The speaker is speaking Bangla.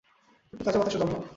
একটু তাজা বাতাসে দম নাও!